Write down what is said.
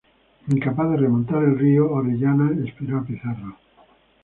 Incapaz de remontar el río, Orellana esperó a Pizarro.